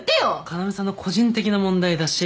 要さんの個人的な問題だし。